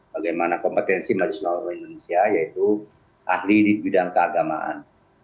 bagaimana kompetensi majusulama indonesia yaitu ahli di bidang keagamaan